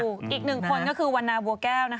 อีกหนึ่งคนก็คือวันนาบัวแก้ว